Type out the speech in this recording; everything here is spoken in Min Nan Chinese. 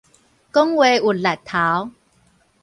講話有力頭